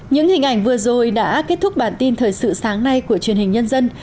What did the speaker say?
những hình ảnh vừa rồi đã kết thúc bản tin thời sự sáng nay của truyền hình nhân dân